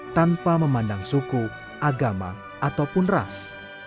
tanpa memandang suku agama ataupun ras